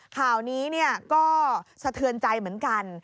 ข่าวนี้ก็สะเทือนใจเหมือนกัน